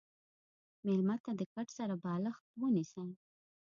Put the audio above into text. مېلمه ته د کټ سره بالښت ونیسه.